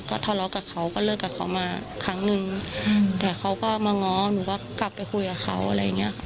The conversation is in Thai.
ทะเลาะกับเขาก็เลิกกับเขามาครั้งนึงแต่เขาก็มาง้อหนูก็กลับไปคุยกับเขาอะไรอย่างเงี้ย